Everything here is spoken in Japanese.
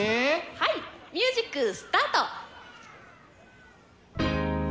はいミュージックスタート！